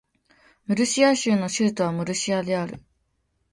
ムルシア州の州都はムルシアである